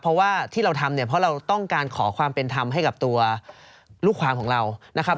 เพราะว่าที่เราทำเนี่ยเพราะเราต้องการขอความเป็นธรรมให้กับตัวลูกความของเรานะครับ